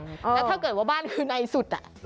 แล้วถ้าเกิดว่าบ้านคือในสุด